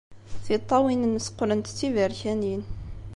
Tiṭṭawin-nnes qqlent d tiberkanin.